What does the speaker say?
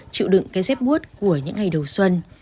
chịu đựng cái dép bút của những ngày đầu xuân